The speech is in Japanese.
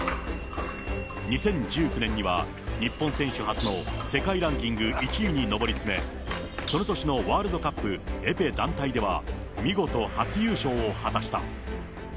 ２０１９年には、日本選手初の世界ランキング１位に上り詰め、その年のワールドカップエペ団体では、見事初優勝を果たした。